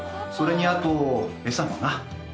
それにあと餌もな。